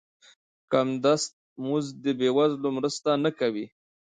کم دست مزد بې وزلو مرسته نه کوي.